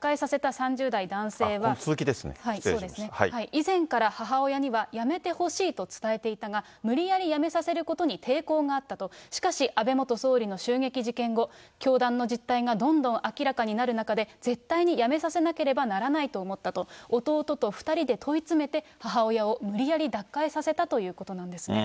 以前から母親にはやめてほしいと伝えていたが、無理やりやめさせることに抵抗があったと、しかし、安倍元総理の襲撃事件後、教団の実態がどんどん明らかになる中で、絶対にやめさせなければならないと思ったと、弟と２人で問い詰めて、母親を無理やり脱会させたということなんですね。